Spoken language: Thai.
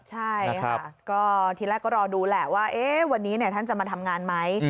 ใช่ค่ะก็ทีแรกก็รอดูแหละว่าวันนี้ท่านจะมาทำงานไหม